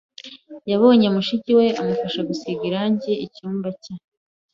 Yabonye mushiki we amufasha gusiga irangi icyumba cye.